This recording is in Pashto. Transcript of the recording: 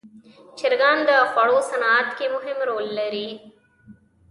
چرګان د خوړو صنعت کې مهم رول لري.